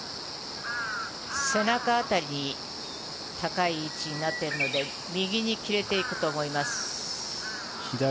背中辺りに高い位置になっているので右に切れていくと思います。